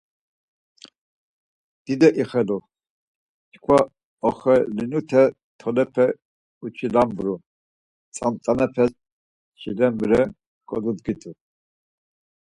Dido ixelu çkva oxelinute tolepe uçilambru, tzamtzamepes çilambre kodudgitu.